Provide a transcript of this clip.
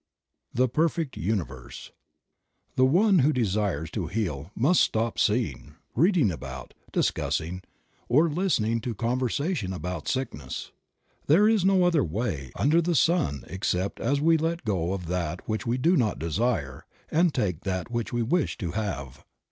THE PERFECT UNIVERSE. T^HE one who desires to heal must stop seeing, reading about, discussing, or listening to conversation about sickness. There is no other way under the sun except as we let go of that which we do not desire, and take that which we wish to have.